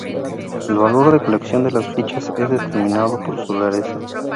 El valor de colección de las fichas es determinado por su rareza.